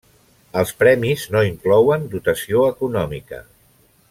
Els premis no inclouen dotació econòmica.